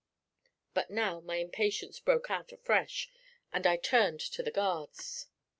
But now my impatience broke out afresh, and I turned to the guards.